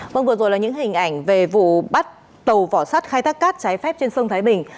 vâng vừa rồi là những hình ảnh về vụ bắt tàu vỏ sắt khai thác cát trái phép trên sông thái bình